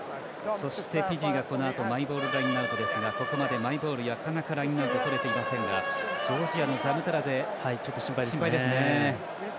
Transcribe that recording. そして、フィジーがこのあとマイボールラインアウトですがここまでマイボール、なかなかラインアウトとれていませんがジョージアのザムタラゼ、ちょっと心配ですね。